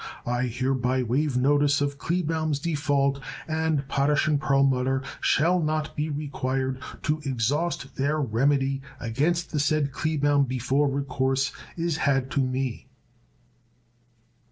I hereby waive notice of Kleebaum's default and Potash & Perlmutter shall not be required to exhaust their remedy against the said Kleebaum before recourse is had to me.